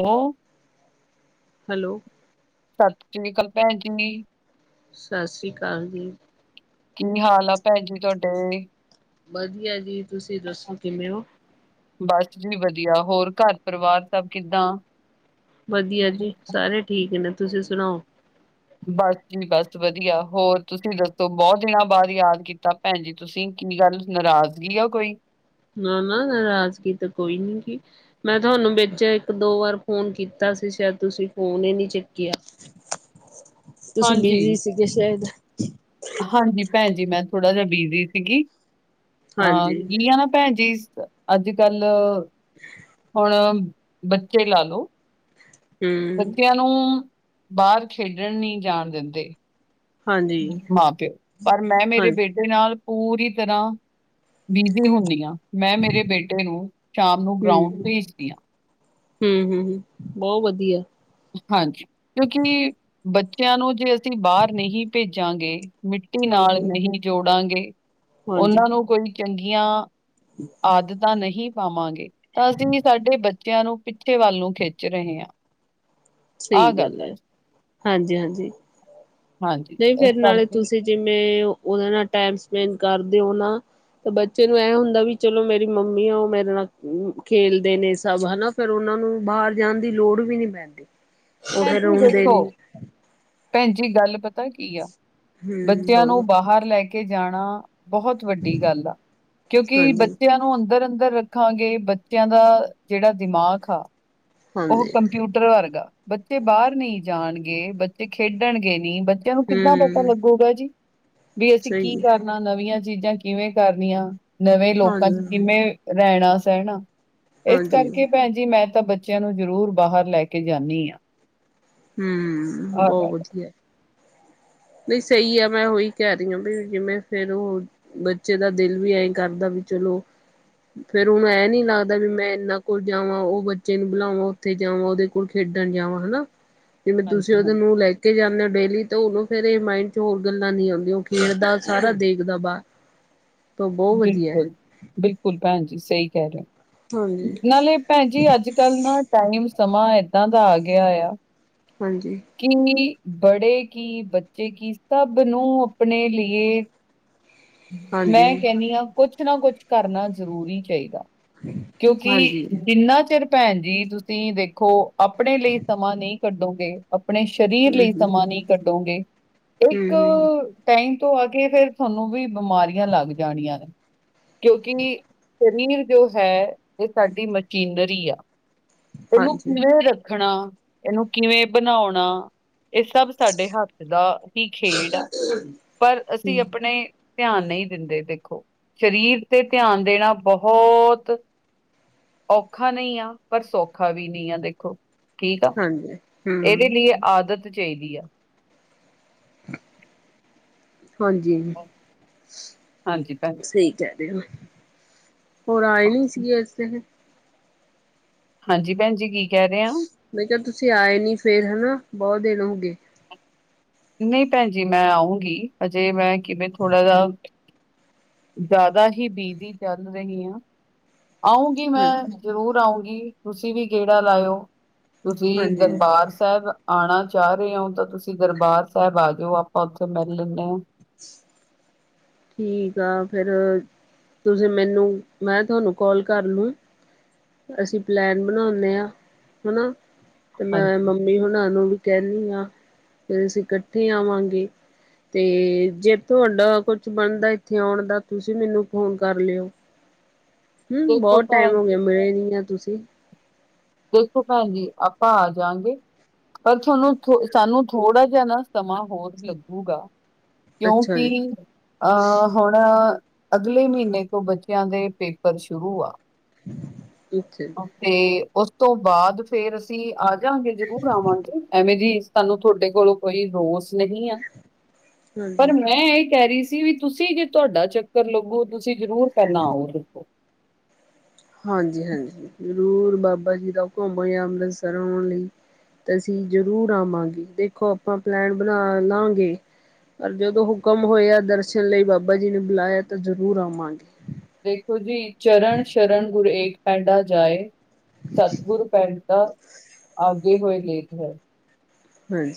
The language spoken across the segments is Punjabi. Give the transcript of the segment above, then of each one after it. ਲੋ ਹੈਲੋ। ਸਤਿ ਸ਼੍ਰੀ ਅਕਾਲ ਭੈਣਜੀ। ਸਤਿ ਸ਼੍ਰੀ ਅਕਾਲ ਜੀ। ਕੀ ਹਾਲ ਆ, ਭੈਣ ਜੀ ਤੁਹਾਡੇ? ਵਧੀਆ ਜੀ। ਤੁਸੀਂ ਦੱਸੋ, ਕਿਵੇਂ ਹੋ? ਬਸ ਜੀ ਵਧੀਆ। ਹੋਰ ਘਰ-ਪਰਿਵਾਰ ਸਭ ਕਿੱਦਾਂ? ਵਧੀਆ ਜੀ। ਸਾਰੇ ਠੀਕ ਨੇ, ਤੁਸੀਂ ਸੁਣਾਓ? ਬਸ ਜੀ, ਬਸ ਵਧੀਆ। ਹੋਰ ਤੁਸੀਂ ਦੱਸੋ, ਬਹੁਤ ਦਿਨਾਂ ਬਾਅਦ ਯਾਦ ਕੀਤਾ ਭੈਣ ਜੀ। ਤੁਸੀਂ ਕੀ ਗੱਲ, ਨਰਾਜ਼ਗੀ ਆ ਕੋਈ? ਨਾ-ਨਾ ਨਰਾਜ਼ਗੀ ਤਾਂ ਕੋਈ ਨੀਂਗੀ। ਮੈਂ ਥੋਨੂੰ ਵਿੱਚ ਇੱਕ-ਦੋ ਵਾਰ ਫੋਨ ਕੀਤਾ ਸੀ ਸ਼ਾਇਦ, ਤੁਸੀਂ ਫੋਨ ਹੀ ਨਹੀਂ ਚੁੱਕਿਆ। ਤੁਸੀ ਹਾਂਜੀ, ਬੀਜੀ ਸੀਗੇ ਸ਼ਾਇਦ। ਹਾਂਜੀ ਭੈਣ ਜੀ, ਮੈਂ ਥੋੜਾ ਜਿਹਾ ਬੀਜ਼ੀ ਸੀਗੀ। ਹਾਂ, ਹਾਂਜੀ ਕੀਆ ਨਾ ਭੈਣ ਜੀ, ਅੱਜ-ਕੱਲ [inaudible] ਹੁਣ, ਬੱਚੇ ਲਾਲੋ ਹਮ ਬੱਚਿਆਂ ਨੂੰ ਬਾਹਰ ਖੇਡਣ ਨਹੀਂ ਜਾਣ ਦਿੰਦੇ। ਹਾਂਜੀ ਮਾਂ- ਪਿਓ। ਪਰ ਮੈਂ ਹਾਂ ਮੇਰੇ ਬੇਟੇ ਦੇ ਨਾਲ ਪੂਰੀ ਤਰ੍ਹਾਂ ਬਿਜੀ ਹੁੰਦੀਆਂ। ਮੈਂ ਮੇਰੇ ਬੇਟੇ ਨੂੰ ਸ਼ਾਮ ਨੂੰ ਹਮ ਗਰਾਊਂਡ ਭੇਜਦੀ ਹਾਂ। ਹਮ- ਹਮ ਹ ਬਹੁਤ ਵਧੀਆ। ਹਾਂਜੀ ਕਿਉਂਕਿ ਬੱਚਿਆਂ ਨੂੰ ਜੇ ਅਸੀਂ ਬਾਹਰ ਨਹੀਂ ਭੇਜਾਂਗੇ। ਮਿੱਟੀ ਹਾਂ ਨਾਲ ਹਾਂ ਨਹੀਂ ਜੋੜਾਂਗੇ। ਉਹਨਾਂ ਨੂੰ ਕੋਈ ਚੰਗੀਆਂ ਹਠ ਆਦਤਾਂ ਨਹੀਂ ਪਾਵਾਂਗੇ। ਤਾਂ ਅਸੀਂ ਸਾਡੇ ਬੱਚਿਆਂ ਨੂੰ ਪਿੱਛੇ ਵੱਲ ਨੂੰ ਖਿੱਚ ਰਹੇ ਹਾਂ। ਸਹੀ ਆਹ ਗੱਲ ਆ ਹੈ। ਜੀ, ਹਾਂਜੀ -ਹਾਂਜੀ। ਹਾਂਜੀ, ਨਹੀਂ, ਇਸ ਫਿਰ ਨਾਲੇ ਕਰਕੇ ਤੁਸੀਂ ਜਿਵੇਂ ਉਹਦੇ ਨਾਲ ਟਮ ਸਪੈਂਡ ਕਰਦੇ ਹੋ ਨਾ। ਤੇ ਬੱਚੇ ਨੂੰ ਇਹ ਹੁੰਦਾ ਵੀ ਚਲੋ ਮੇਰੀ ਮੰਮੀ ਆ ਉਹ ਮੇਰੇ ਨਾਲ ਖੇਲਦੇ ਨੇ ਸਭ ਹਨਾ। ਫੇਰ ਉਹਨਾ ਨੂੰ ਬਾਹਰ ਜਾਣ ਦੀ ਲੋੜ ਵੀ ਨੀ ਪੈਂਦੀ। ਉਹ ਭੈਣ ਫੇਰ ਜੀ ਆਉਣਦੇ ਦੇਖੋ, ਨੇ। ਭੈਣ ਜੀ ਗੱਲ ਪਤਾ ਕੀ ਆ। ਹਮ ਬੱਚਿਆਂ ਬੋਲੋ ਨੂੰ ਬਾਹਰ ਲੈ ਕੇ ਜਾਣਾ। ਬਹੁਤ ਵੱਡੀ ਗੱਲ ਆ। ਕਿਉਂਕਿ ਹਾਂਜੀ ਬੱਚਿਆਂ ਨੂੰ ਅੰਦਰ- ਅੰਦਰ ਰੱਖ ਦੇਖਾਂਗੇ। ਬੱਚਿਆਂ ਦਾ ਜਿਹੜਾ ਦਿਮਾਗ ਆ ਉਹ ਹਾਂਜੀ ਕੰਪਿਊਟਰ ਵਰਗਾ। ਬੱਚੇ ਬਾਹਰ ਨਹੀਂ ਜਾਣਗੇ, ਬੱਚੇ ਖੇਡਣਗੇ ਨਹੀਂ, ਬਚਿਆਂ ਨੂੰ ਕਿੱਦਾਂ ਪਤਾ ਹਮ ਲੱਗੇਗਾ। ਜੀਵੀ ਅਸੀਂ ਕੀ ਸਹੀ ਹੈ ਕਰ ਨਵੀਆਂ ਚੀਜ਼ਾਂ ਕਿਵੇਂ ਕਰਨੀਆਂ, ਨਵੇਂ ਲੋਕਾਂ ਚ' ਹਾਂਜੀ ਕਿਵੇਂ ਰਹਿਣਾ -ਸਹਿਣਾ। ਇਸ ਹਾਂਜੀ ਕਰਕੇ ਭੈਣ ਜੀ ਮੈਂ ਤਾਂ ਬੱਚਿਆਂ ਨੂੰ ਜ਼ਰੂਰ ਬਾਹਰ ਲੈ ਕੇ ਜਾਂਦੀ ਹਾਂ। ਹਮ, ਆਹ ਬਹੁਤ ਗੱਲ ਹੈ। ਵਧੀਆ। ਨਹੀਂ, ਸਹੀ ਆ ਮੈਂ ਉਹੀ ਕਹਿ ਰਹੀ ਹਾਂ ਵੀ ਜਿਵੇਂ ਫੇਰ ਉਹ ਬੱਚੇ ਦਾ ਦਿਲ ਵੀ ਐਂ ਕਰਦਾ ਵੀ ਚਲੋ। ਫੇਰ ਹੁਣੂੰ ਇਹ ਨੀ ਲੱਗਦਾ ਵੀ ਮੈਂ ਇਨਾ ਕੋਲ ਜਾਵਾਂ ਉਹ ਬੱਚੇ ਨੂੰ ਬੁਲਾਵਾਂ, ਉੱਥੇ ਜਾਵਾਂ। ਉਹਦੇ ਸਕੂਲ ਖੇਡਣ ਜਾਵਾਂ ਹਨਾ। ਜਿਵੇਂ ਤੁਸੀਂ ਹਾਂਜੀ ਉਹਦੇ ਹਾਂਜੀ ਨੂੰ ਲੈ ਕੇ ਜਾਂਦੇ ਹੋ ਡੇਲੀ। ਤਾਂ ਉਹਨੂੰ ਫੇਰ ਇਹ ਮਾਇੰਡ ਚ' ਹੋਰ ਗੱਲਾਂ ਨਹੀਂ ਆਉਂਦੀਆਂ। ਉਹ ਖੇਡਦਾ ਸਾਰਾ ਦੇਖਦਾ ਬਾਹਰ। ਤਾਂ ਬਹੁਤ ਵਧੀਆ। ਬਿਲਕੁਲ- ਬਿਲਕੁਲ ਭੈਣ ਜੀ, ਸਹੀ ਕਹਿ ਰਹੇ। ਹਾਂਜੀ। ਨਾਲੇ ਭੈਣ ਜੀ ਅੱਜ ਕੱਲ੍ਹ ਨਾ ਟਾਈਮ ਸਮਾਂ ਏਦਾਂ ਦਾ ਆ ਗਿਆ ਆ। ਹਾਂਜੀ। [unintelligible] ਕੀ ਬੜੇ ਕੀ ਬੱਚੇ ਕੀ ਸਭ ਨੂੰ ਆਪਣੇ ਲਏ ਮੈਂ ਹਾਂਜੀ, ਕਹਿੰਦੀ ਹਾਂ। ਕੁਛ ਨਾ ਕੁਛ ਕਰਨਾ ਜ਼ਰੂਰੀ ਚਾਹੀਦਾ। ਕਿਉਂਕਿ ਹਾਂਜੀ ਹੂੰ, ਜਿੰਨਾ ਚਿਰ ਭੈਣ ਜੀ, ਤੁਸੀਂ ਦੇਖੋ। ਆਪਣੇ ਲਈ ਸਮਾਂ ਨਹੀਂ ਕੱਢੋਗੇ। ਆਪਣੇ ਸਰੀਰ ਹੂੰ, ਲਈ ਹੂੰ, ਸਮਾਂ ਨਹੀਂ ਕੱਢੋਗੇ। ਹੂੰ, ਇੱਕ ਹੂੰ, ਹੂੰ। ਟਾਈਮ ਤੋਂ ਆ ਕੇ ਫੇਰ ਤੁਹਾਨੂੰ ਵੀ। ਬਿਮਾਰੀਆਂ ਲੱਗ ਜਾਣੀਆਂ ਨੇ। ਕਿਉਂਕਿ ਜ਼ਮੀਨ ਜੋ ਹੈ ਇਹ ਸਾਡੀ ਮਸ਼ੀਨਰੀ ਆ। ਇਹਨੂੰ ਹਾਂਜੀ, ਕਿਵੇਂ ਰੱਖਣਾ। ਇਹਨੂੰ ਕਿਵੇਂ ਬਣਾਉਣਾ। ਇਹ ਸਭ ਸਾਡੇ ਹੱਥ ਦਾ ਹੀ ਖੇਡ ਆ। ਪਰ ਅਸੀਂ ਹੂੰ, ਆਪਣੇ ਧਿਆਨ ਨਹੀਂ ਦਿੰਦੇ। ਦੇਖੋ, ਸਰੀਰ ਤੇ ਧਿਆਨ ਦੇਣਾ ਬਹੁਤ ਔਖਾ ਨਹੀਂ ਆ ਪਰ ਸੌਖਾ ਵੀ ਨਹੀਂ ਆ ਦੇਖੋ ਠੀਕ ਆ। ਹਾਂਜੀ। ਇਹਦੇ ਹੂੰ, ਲਈ ਆਦਤ ਚਾਹੀਦੀ ਆ। ਹ [inaudible] ਹਾਂਜੀ। ਹਾਂਜੀ ਭੈਣ ਸਹੀ ਕਹਿ ਰਹੇ ਹੋ। ਹੋਰ ਆਏ ਨਹੀਂ ਸੀਗੇ। ਇਸ ਹਾਂਜੀ ਭੈਣ ਜੀ ਕੀ ਕਹਿ ਰਹੇ ਹੋ। ਮੈ ਕਿਹਾ, ਤੁਸੀਂ ਆਏ ਨੀ ਫੇਰ ਹਨਾ ਬਹੁਤ ਦਿਨ ਹੋ ਗਏ। ਨਹੀਂ ਭੈਣ ਜੀ, ਮੈਂ ਆਊਂਗੀ। ਹਜੇ ਮੈਂ ਕਿਵੇਂ ਥੋੜਾ ਜਿਹਾ। ਜ਼ਿਆਦਾ ਹੀ, ਬੀਜ਼ੀ ਚੱਲ, ਰਹੀ ਹਾਂ। ਆਊਂਗੀ। ਮੈਂ ਜ਼ਰੂਰ ਆਊਂਗੀ। ਤੁਸੀਂ ਵੀ, ਗੇੜਾ ਲਾਇਓ। ਤੁਸੀਂ, ਹਾਂਜੀ। ਦਰਬਾਰ ਸਾਹਿਬ ਆਉਣਾ ਚਾਹ ਰਹੇ ਹੋ ਤਾਂ ਤੁਸੀਂ ਦਰਬਾਰ ਸਾਹਿਬ ਆ ਜਾਓ ਆਪਾਂ ਉੱਥੇ ਮਿਲ ਲੈਂਦੇ ਹਾਂ। [inaudible] ਠੀਕ ਆ। ਫੇਰ ਤੁਸੀਂ, ਮੈਨੂੰ। ਮੈਂ, ਤੁਹਾਨੂੰ ਕੋਾਲ ਕਰ ਲੂੰ। ਅਸੀਂ ਪਲੈਨ, ਬਣਾਉਦੇ ਹਾਂ। ਹਨਾ, ਤੇ ਮੈਂ, ਹਾਂਜੀ, ਮੰਮੀ ਵੀ ਹੁਣ ਨੂੰ, ਵੀ ਕਹਿੰਦੀ ਹਾਂ। ਫੇਰ ਅਸੀਂ, ਇਕੱਠੇ ਆਵਾਂਗੇ। ਤੇ, ਜੇ ਤੁਹਾਡਾ, ਕੁਛ ਬਣਦਾ, ਇੱਥੇ ਆਉਣ ਦਾ। ਤੁਸੀਂ, ਮੈਨੂੰ ਫੋਨ ਕਰ ਲਿਓ। ਹੂੰ, ਦੇਖੋ ਬਹੁਤ ਟਾਈਮ, ਭੈਣ ਹੋ ਜੀ ਗਿਆ। ਮਿਲੇ ਨੀ, ਆ ਤੁਸੀਂ। ਦੇਖੋ ਭੈਣ ਜੀ, ਆਪਾਂ ਆ ਜਾਗੇ। ਪਰ ਤੁਹਾਨੂੰ, ਥੋ ਸਾਨੂੰ ਥੋੜਾ ਜਿਹਾ ਨਾ। ਸਮਾਂ, ਹੋਰ ਲੱਗੂਗਾ। ਅੱਛਾ ਜੀ ਕਿਉਂਕਿ ਅਹ ਹੁਣ, ਅਗਲੇ ਮਹੀਨੇ ਤੋਂ, ਬੱਚਿਆਂ ਦੇ ਪੇਪਰ ਸ਼ੁਰੂ ਆ। ਠੀਕ ਹੈ। ਤੇ, ਉਸ ਤੋਂ ਬਾਅਦ, ਫੇਰ ਅਸੀਂ ਆਜਾਂਗੇ। ਜਰੂਰ ਆਵਾਂਗੇ। ਐਵੇਂ ਜੀ ਸਾਨੂੰ, ਤੁਹਾਡੇ ਕੋਲੋਂ, ਕੋਈ ਰੋਸ ਨਹੀਂ ਆ। ਪਰ ਹਾਂਜੀ ਮੈਂ ਇਹ, ਕਹਿ ਰਹੀ ਸੀ। ਵੀ ਤੁਸੀਂ, ਜੇ ਤੁਹਾਡਾ, ਚੱਕਰ ਲੱਗੋ। ਤੁਸੀਂ ਜ਼ਰੂਰ, ਪਹਿਲਾਂ ਆਓਗੇ। ਹਾਂਜੀ- ਹਾਂਜੀ। ਜ਼ਰੂਰ ਬਾਬਾ ਜੀ, ਦਾ ਹੁਕਮ ਹੋਇਆ ਅੰਮ੍ਰਿਤਸਰ ਆਉਣ ਲਈ। ਅਸੀਂ ਜਰੂਰ ਆਵਾਂਗੇ। ਦੇਖੋ ਆਪਾਂ ਪਲੈਨ, ਬਣਾ ਲਾਂਗੇ। ਪਰ ਜਦੋਂ, ਹੁਕਮ ਹੋਏ ਆ, ਦਰਸ਼ਨ ਲਈ। ਬਾਬਾ ਜੀ ਨੇ ਬੁਲਾਇਆ, ਤਾਂ ਜ਼ਰੂਰ ਆਵਾਂਗੇ। ਦੇਖੋ ਜੀ, ਚਰਨ ਸ਼ਰਨ ਗੁਰਏਕ ਪਿੰਡਾ ਜਾਏ। ਸਤਿਗੁਰ ਪਿੰਡ ਤਾਂ, ਅਗੇ ਹੋਏ ਲੇਟ ਹੈ। ਹਮ [unintelligible]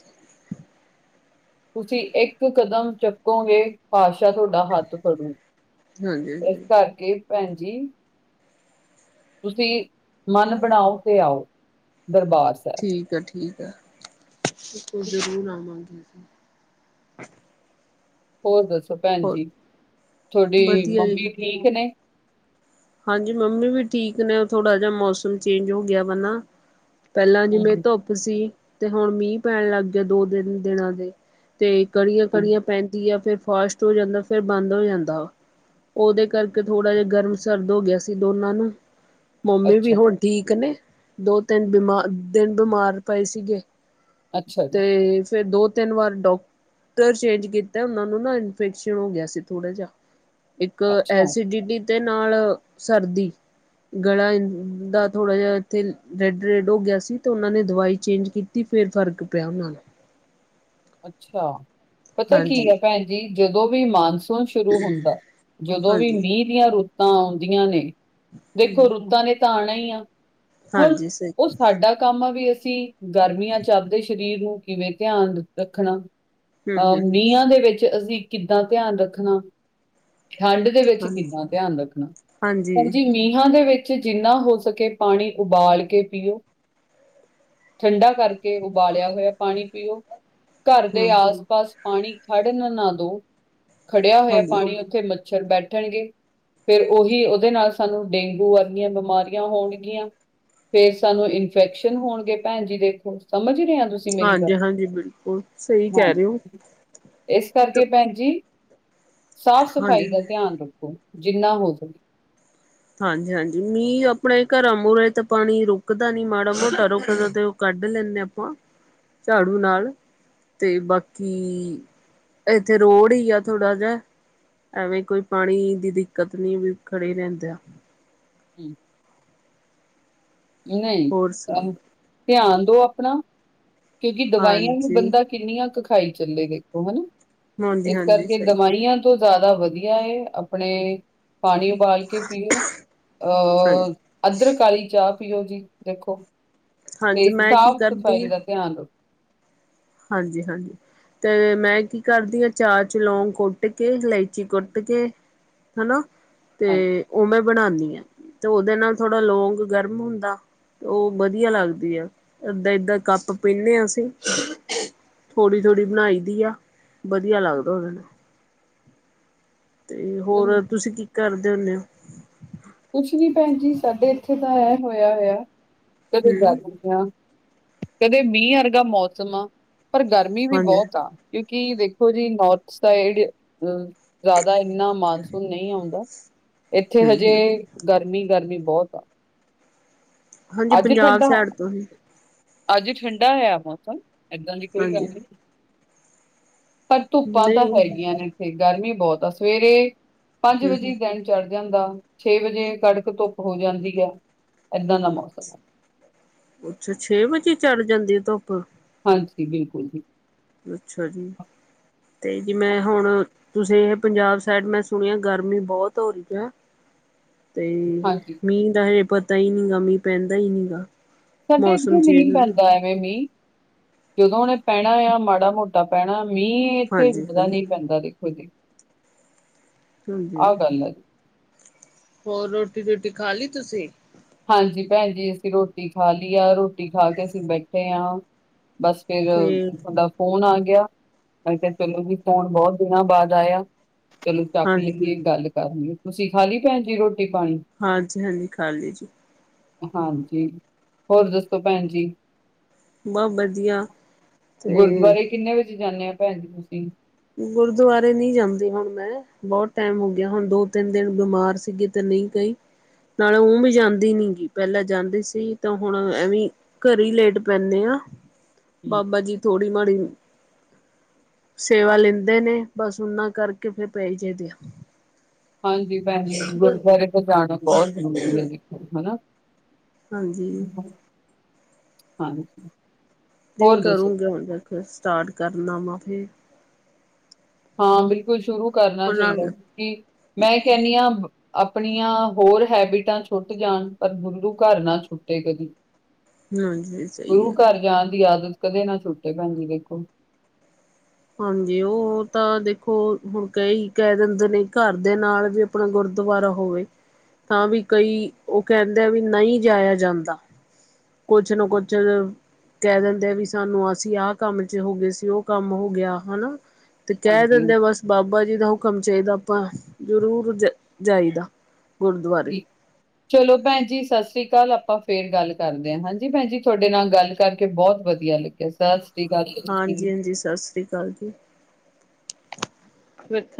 ਤੁਸੀਂ, ਇੱਕ ਕਦਮ, ਚੱਕੋਗੇ। ਪਾਤਸ਼ਾ ਤੁਹਾ ਦਾ, ਹੱਥ ਫੜੂ। ਇਸ ਹਾਂਜੀ-ਹਾਂਜੀ-ਹਾਂਜੀ ਕਰਕੇ ਭੈਣ ਜੀ। ਤੁਸੀਂ, ਮਨ ਬਣਾਓ। ਤੇ ਆਓ। ਦਰਬਾਰ ਸਾਹਿਬ। ਠੀਕ ਆ- ਠੀਕ ਆ। ਫੇਰ ਤਾਂ, ਜਰੂਰ ਆਵਾਂਗੇ ਅਸੀਂ। ਹੋਰ ਦੱਸੋ ਭੈਣ ਹੋਰ ਜੀ। ਤੁਹਾਡੀ ਵਧੀਆ ਜੀ ਮੰਮੀ ਠੀਕ ਨੇ? ਹਾਂਜੀ, ਮੰਮੀ ਵੀ ਠੀਕ ਨੇ, ਥੋੜਾ ਜਿਹਾ ਮੌਸਮ ਚੇਂਜ, ਹੋ ਗਿਆ ਵਾ ਨਾ। ਪਹਿਲਾਂ, ਹਮ, ਜਿਵੇਂ ਧੁੱਪ ਸੀ। ਤੇ ਹੁਣ ਮੀਂਹ, ਪੈਣ ਲੱਗ ਗਿਆ। ਦੋ, ਤਿੰਨ ਦਿਨਾਂ ਦੇ। ਤੇ, ਕੜੀਆਂ, ਹਮ, ਕੜੀਆਂ। ਪੈਂਦੀ ਆ। ਫੇਰ ਫਾਸ਼ਟ ਹੋ ਜਾਂਦਾ। ਫੇਰ ਬੰਦ ਹੋ ਜਾਂਦਾ ਵਾ। ਉਹਦੇ ਕਰਕੇ ਥੋੜਾ ਜਿਹਾ। ਗਰਮ ਹਾਂਜੀ। ਸਰਦ, ਹੋ ਗਿਆ ਸੀ। ਦੋਨਾਂ ਨੂੰ, ਮੰਮੀ ਵੀ ਅੱਛਾ ਹੁਣ ਠੀਕ ਨੇ। ਦੋ, ਤਿੰਨ ਬਿਮਾਰ, ਦਿਨ ਬਿਮਾਰ ਪਏ ਸੀਗੇ। ਅੱਛਾ ਜੀ ਤੇ, ਫੇਰ ਦੋ- ਤਿੰਨ ਵਾਰ, ਡਾਕਟਰ ਚੇਂਜ ਕੀਤਾ। ਉਹਨਾਂ ਨੂੰ, ਨਾ ਇਨਫੈਕਸ਼ਨ, ਹੋ ਗਿਆ ਸੀ। ਥੋੜਾ ਜਾਿਹਾ। ਇੱਕ ਅੱਛਾ ਐਸਡਿਟੀ, ਤੇ ਨਾਲ ਸਰਦੀ। ਗਲਾ, ਇ ਦਾ ਥੋੜਾ ਜਿਹਾ, ਇੱਥੇ ਰੈੱਡ- ਰੈਡ, ਹੋ ਗਿਆ ਸੀ। ਤੇ ਉਹਨਾਂ ਨੇ, ਦਵਾਈ ਚੇਂਜ ਕੀਤੀ। ਫੇਰ, ਫਰਕ ਪਿਆ, ਉਹਨਾਂ ਨੂੰ। ਅੱਛਾ। ਪਤਾ ਕੀ ਹਾਂਜੀ ਹੈ, ਭੈਣ ਜੀ ਜਦੋਂ ਵੀ, ਮਾਨਸਿਕ ਸੂਣ ਸ਼ੁਰੂ ਹੁੰਦਾ। ਜਦੋਂ ਵੀ, ਹਾਂਜੀ ਮੀਂਹ ਦੀਆਂ ਰੁੱਤਾਂ, ਆਉਂਦੀਆਂ ਨੇ। ਦੇਖੋ ਹਮ ਰੁੱਦਾਂ ਨੇ, ਤਾਂ ਆਉਣਾ ਹੀ, ਆ। ਹੁਣ ਹਾਂਜੀ ਸਹੀ ਉਹ ਸਾਡਾ, ਕੰਮ ਆ ਵੀ ਅਸੀਂ। ਗਰਮੀਆਂ ਚੱ ਆਪਦੇ, ਸਰੀਰ ਨੂੰ ਕਿਵੇਂ, ਧਿਆਨ ਰੱਖਣਾ। ਹਮ ਅਹ ਹਮ ਮੀਹਾਂ, ਦੇ ਵਿੱਚ ਅਸੀਂ, ਕਿੱਦਾਂ ਧਿਆਨ ਰੱਖਣਾ। ਠੰਡ ਦੇ ਵਿੱਚ ਹਮ ਹਾਂ ਕਿੰਨਾ, ਧਿਆਨ ਰੱਖਣਾ। ਹਾਂਜੀ, ਮੀਹਾਂ ਦੇ ਵਿੱਚ। ਤੁਸੀਂ ਜਿੰਨਾ ਹੋ ਸਕੇ, ਪਾਣੀ ਉਬਾਲ ਕੇ ਪੀਓ। ਠੰਡਾ ਕਰਕੇ, ਉਬਾਲਿਆ ਹੋਇਆ ਪਾਣੀ ਪੀਓ। ਘਰ ਦੇ ਹਮ ਆਸ ਪਾਸ ਪਾਣੀ ਖੜਨ ਨਾ ਦੋ, ਖੜੇਆ ਹੋਇਆ ਹਾਂਜੀ ਪਾਣੀ ਉੱਥੇ ਮੱਛਰ ਬੈਠਣਗੇ। ਫੇਰ ਉਹੀ, ਉਅਦੇ ਨਾਲ ਸਾਨੂੰ ਡੇਂਗੂ ਆਰਗੀਆਂ ਬਿਮਾਰੀਆਂ ਹੋਣਗੀਆਂ। ਫੇਰ ਸਾਨੂੰ ਇਨਫੈਕਸ਼ਨ ਹੋਣਗੇ ਭੈਣ ਜੀ ਦੇਖੋ, ਸਮਝ ਰਏ ਆ ਤੁਸ ਹਾਂਜੀ- ਹਾਂਜੀ। ਬਿਲਕੁਲ। ਸਹੀ ਕਹਿ ਰਹੇ ਹੋ ਹਾਂਜੀ, ਇਸ ਕਰਕੇ ਭੈਣ ਜੀ, ਸਾਫ਼ ਹਾਂਜੀ ਸਫ਼ਾਈ ਦਾ। ਧਿਆਨ ਰੱਖੋ। ਜਿੰਨਾ ਹੋ ਸਕੇ। ਹਾਂਜੀ-ਹਾਂਜੀ ਮੀਂਹ ਆਪਣੇ ਕਰਾਂ ਮੂਅਰੇ ਤੇ ਪਾਣੀ ਰੁਕਦਾ ਨੀ, ਮਾੜਾ ਮੋਟਾ ਰੁਕ ਦਾ, ਤੇ ਉਹ ਕੱਢ ਲੈਣੇ ਆ। ਆਪਾਂ, ਚਾੜੂ ਨਾਲ। ਤੇ ਬਾਕੀ, ਏਥੇ ਰੋਡ ਈ ਆ ਥੋੜਾ ਜਹਾ। ਐਵੇਂ ਕੋਈ ਪਾਣੀ ਦੀ ਦਿੱਕਤ ਨੀ, ਵੀ ਖੜੇ ਰੇਂਦਾ ਆ। ਹੂੰ। ਨਈ, ਹੋਰ ਸੁਣਾਓ ਅਮ ਧਿਆਨ ਦੋ ਆਪਣਾ। ਕਿਉਂਕਿ ਦਵਾਈਆਂ ਵੀ ਹਾਂਜੀ ਬੰਦਾ ਕਿੰਨੀਆਂ ਕ ਖਾਈ ਚੱਲੇ, ਵੇਖੋ ਹਨਾ? ਹਾਂਜੀ ਇਸ ਹਾਂਜੀ ਕਰਕੇ ਸਹੀ ਦਵਾਈਆਂ ਤੋਂ ਜ਼ਾਦਾ ਵਧੀਆ ਏ ਆਪਣੇ ਪਾਣੀ ਉਬਾਲ ਕੇ ਪੀਓ। ਅਹ ਹਾਂਜੀ ਅਦਰਕ ਆਲੀ ਚਾਹ ਪੀਓ ਜੀ, ਦੇਖੋ, ਤੇ ਹਾਂਜੀ ਮੈਂ ਕੀ ਸਾਫ਼ ਸਫ਼ਾਈ ਦਾ ਧਿਆਨ ਰੱ ਹਾਂਜੀ-ਹਾਂਜੀ। ਤੇ ਮੈਂ ਕੀ ਕਰਦੀ ਆਂ? ਚਾਰ ਚ ਲੋਂਗ ਕੁੱਟ ਕੇ, ਇਲਾਚੀ ਕੁੱਟ ਕੇ ਹਨਾ, ਹਾਂਜੀ ਤੇ ਔਹ ਮੈਂ ਬਣਾਨੀ ਆਂ, ਤੇ ਔਦੇ ਨਾਲ ਥੋੜਾ ਲੋਂਂਗ ਗਰਮ ਹੁੰਦਾ। ਔ ਬਦੀਆ ਲੱਗਦੀ ਐ, ਏਦਾਂ-ਏਦਾਂ ਕੱਪ ਪੀਨੇ ਆਂ ਅਸੀਂ। ਥੋੜ੍ਹੀ-ਥੋੜ੍ਹੀ ਬਣਾਈ ਦੀ ਆ, ਬਦੀਆ ਲੱਗਦਾ ਓਦੇ ਨਾਲ। ਤੇ ਚਲੋ ਹੋਰ ਤੁਸੀਂ ਕੀ ਕਰਦੇ ਹੁੰਨੇ ਔ? ਕੁੱਛ ਨੀ ਭੈਣ ਜੀ, ਸਾਡੇ ਏਥੇ ਤਾਂ ਐ ਹੋਇਆ-ਹੋਇਆ ਹਮ [unintelligible] ਯਾ, ਕਦੇ ਮੀਂਹ ਅਰਗਾ ਮੌਸਮ ਆ, ਪਰ ਗਰਮੀ ਵੀ ਹਾਂਜੀ ਬੋਤ ਆ। ਕਿਉਂਕਿ ਦੇਖੋ ਜੀ, ਨੋੌਰਥ ਸਾਈਡ ਅਹ ਜਾਦਾ ਇੰਨਾ ਮਾਨਸੂਨ ਨਈ ਆਉਂਦਾ। ਏਥੇ ਹਜੇ ਗਰਮੀ-ਗਰਮੀ ਬੋਤ ਆ। ਹਾਂਜੀ ਅੱਜ ਪੰਜਾਬ ਠੰਡਾ, ਸਾਈਡ ਤੋਂ ਹੀ ਅੱਜ ਠੰਡਾ ਹੋਇਆ ਮੌਸਮ, ਏਦਾਂ ਦੀ ਕੋਈ ਹਾਂਜੀ ਗੱਲ ਨੀ। ਪਰ ਧੁੱਪਾਂ ਤਾਂ ਨਹੀਂ ਹਮ ਹੈਗੀਆਂ ਨੇ ਏਥੇ, ਗਰਮੀ ਬੋਤ ਆ ਸਵੇਰੇ ਪੰਜ ਵਜੇ ਹਮ ਈ ਦਿਨ ਚੜ ਜਾਂਦਾ, ਛੇ ਵਜੇ ਕੜਕ ਧੁੱਪ ਹੋ ਜਾਂਦੀ ਆ, ਏਦਾਂ ਦਾ ਮੌਸ ਅੱਛਾ, ਛੇ ਵਜੇ ਈ ਚਲ ਜਾਂਦੀ ਏ ਧੁੱਪ? ਹਾਂਜੀ, ਬਿਲਕੁੱਲ ਜੀ। ਅੱਛਾ ਜੀ, ਤੇ ਜੀ ਮੈਂ ਹੁਣ ਤੁਸੀਂ ਏਹ ਪੰਜਾਬ ਸਾਈਡ, ਮੈਂ ਸੁਣਿਆ ਗਰਮੀ ਬੋਤ ਹੋ ਰੀ ਆ। ਤੇ ਹਾਂਜੀ ਮੀਂਹ ਦਾ ਹਏ ਪਤਾ ਈ ਨੀਗਾ, ਮੀਂਹ ਪੈਂਦਾ ਈ ਨੀ ਗਾ। ਸਾਡੇ ਮੌਸਮ ਏਥੇ ਚੇਂਜ ਮੀਂਹ ਹੁੰਦਾ ਪੈਂਦਾ ਐ। ਹੈ ਮੀਂਹ, ਜਦੋਂ ਓਨੇ ਪੈਣਾ ਆ, ਮਾੜਾ ਮੋਟਾ ਪੈਣਾ, ਮੀਂਹ ਏਹ ਤੇ ਹਾਂਜੀ ਰੁਕਦਾ ਹਾਂਜੀ ਨਈ ਪੈਂਦਾ ਦੇਖੋ ਜੀ, ਹਾਂਜੀ ਆਹ ਗੱਲ ਐ। ਹੋਰ ਰੋਟੀ ਰੁਟੀ ਖਾ ਲਈ ਤੁਸੀਂ? ਹਾਂਜੀ ਭੈਣ ਜੀ, ਅਸੀਂ ਰੋਟੀ ਖਾ ਲਈ ਆ, ਰੋਟੀ ਖਾ ਕੇ ਅਸੀਂ ਬੈਠੇ ਆਂ, ਬਸ। ਫਿਰ ਤੇ ਓਦਾ ਫੋਨ ਆ ਗਿਆ, ਮੈਂ ਕੇਆ ਚਲੋ ਜੀ ਫੋਨ ਬੋਤ ਦਿਨਾਂ ਬਾਦ ਆਇਆ। ਚਲੋ ਚੱਕ ਹਾਂਜੀ [unintelligible] ਗੱਲ ਕਰ ਲਈ, ਤੁਸੀਂ ਖਾ ਲਈ ਭੈਣ ਜੀ ਰੋਟੀ ਪਾਣੀ? ਹਾਂਜੀ-ਹਾਂਜੀ ਖਾ ਲੀ ਜੀ। ਹਾਂਜੀ, ਹੋਰ ਦੱਸੋ ਭੈਣ ਜੀ? ਬਹੁਤ ਵਧੀਆ ਤੇ ਗੁਰਦੁਆਰੇ ਕਿੰਨੇ ਵਜੇ ਜਾਂਨੇ ਆ ਭੈਣ ਜੀ ਤੁਸੀਂ? ਗੁਰਦੁਆਰੇ ਨੀ ਜਾਂਦੀ ਹੁਣ ਮੈਂ। ਬੋਤ ਟੈਮ ਹੋ ਗਿਆ ਹੁਣ ਦੋ-ਤਿੰਨ ਦਿਨ ਬਿਮਾਰ ਸੀਗੇ ਤੇ ਨਈ ਕਈ। ਨਾਲੇ ਊ ਵੀ ਜਾਂਦੀ ਨੀ ਗੀ ਪੈਲਾਂ ਜਾਂਦੀ ਸੀ ਤਾਂ ਹੁਣ ਐਵੀ। ਘਰੇ ਈ ਲੇਟ ਪੈਂਨੇ ਆ ਹੂੰ। ਬਾਬਾ ਜੀ ਥੋੜ੍ਹੀ ਮਾੜੀ ਸੇਵਾ ਲੈਂਦੇ ਨੇ ਬਸ ਉਨਾਂ ਕਰਕੇ ਫਿਰ ਪੈ ਜੇ ਦਿਆ। ਹਾਂਜੀ ਪੈਣੇ ਗੁਰਦੁਆਰੇ ਤੇ ਜਾਣਾ ਬੋਤ ਜ਼ਰੂਰੀ ਐ ਦੇਖੋ ਹਨਾ। ਹਾਂਜੀ। ਹਾਂਜੀ। ਨਈ ਹੋਰ ਕਰੂੰਗੀ ਹੁਣ ਦੱਸੋ [unintelligible] ਸਟਾਰਟ ਕਰਨਾ ਵਾ ਫਿਰ। ਹਾਂ ਬਿਲਕੁੱਲ ਸ਼ੁਰੂ ਕਰਨਾ ਉਹ ਚਾਈਦਾ, ਨਾਲ ਕੀ? ਮੈਂ ਕੈਨੀ ਆਂ ਆਪਣੀਆਂ ਹੋਰ ਹੈਬਿਟਾਂ ਛੁੱਟ ਜਾਣ, ਪਰ ਗੁਰੂ ਕਾਰ ਨਾ ਛੁੱਟੇ ਕਦੀ। ਹਾਂਜੀ ਸਹੀ ਗੁਰੂ ਹੈ ਘਰ ਜਾਣ ਦੀ ਆਦਤ ਕਦੇ ਨਾ ਛੁੱਟੇ ਭੈਣ ਜੀ ਦੇਖੋ। ਹਾਂਜੀ ਓ ਤਾਂ ਦੇਖੋ ਹੁਣ ਕਈ ਕੈ ਦਿੰਦੇ ਨੇ ਘਰ ਦੇ ਨਾਲ ਵੀ ਆਪਣਾ ਗੁਰਦੁਵਾਰਾ ਹੋਵੇ। ਤਾਂ ਵੀ ਕਈ ਓ ਕੈਂਦੇ ਆ ਵੀ ਨਈ ਜਾਇਆ ਜਾਂਦਾ। ਕੋਚ ਨਾ ਕੋਚ। ਕੈ ਦਿੰਦੇ ਆ ਵੀ ਸਾਨੂੰ ਅਸੀਂ ਆਹ ਕੰਮ ਚ ਹੋ ਗੇ ਸੀ ਓ ਕੰਮ ਹੋ ਗਿਆ ਹਨਾ ਤੇ ਕੈ ਹਾਂਜੀ ਦਿੰਦੇ ਬਸ ਬਾਬਾ ਜੀ ਦਾ ਹੁਕਮ ਚਾਹੀਦਾ ਆਪਾਂ ਜ਼ਰੂਰ ਜ ਜਾਈਦਾ ਗੁਰਦੁਆਰੇ। ਠੀਕ। ਚਲੋ ਭੈਣ ਜੀ ਸਤਿ ਸ੍ਰੀ ਕਾਲ ਆਪਾਂ ਫੇਰ ਗੱਲ ਕਰਦੇ ਆਂ ਹਾਂਜੀ ਭੈਣ ਜੀ ਤੁਹਾਡੇ ਨਾਲ ਗੱਲ ਕਰਕੇ ਬਹੁਤ ਵਧੀਆ ਲੱ ਏਧਲ ਹਾਂਜੀ ਹਾਂਜੀ ਸਤਿ ਸ੍ਰੀ ਅਕਾਲ ਜੀ